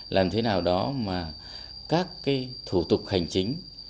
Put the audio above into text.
làm thế nào đó mà các cái thủ tục hành chính